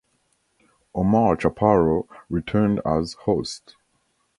Omar Chaparro returned as host.